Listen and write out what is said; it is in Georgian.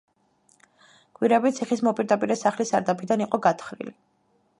გვირაბი ციხის მოპირდაპირე სახლის სარდაფიდან იყო გათხრილი.